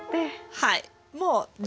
はい。